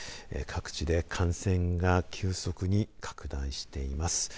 各地で感染が急速に拡大しています。